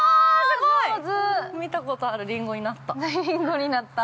すごい！見たことがあるりんごになった。